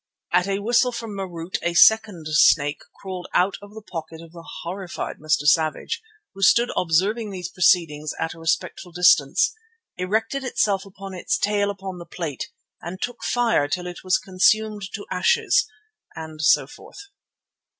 At a whistle from Marût a second snake crawled out of the pocket of the horrified Mr. Savage, who stood observing these proceedings at a respectful distance, erected itself on its tail upon the plate and took fire till it was consumed to ashes, and so forth.